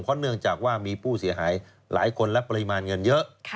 เนื่องจากว่ามีผู้เสียหายหลายคนและปริมาณเงินเยอะ